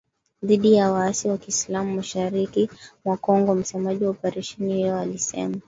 Dhidi ya waasi wa kiislam mashariki mwa Kongo msemaji wa operesheni hiyo alisema.